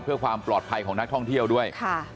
เพื่อความปลอดภัยของนักท่องเที่ยวด้วย